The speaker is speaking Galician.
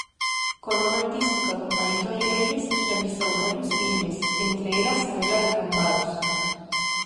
Co nome artístico de Amparito Rivelles, realizou varios filmes, entre elas Sabela de Cambados.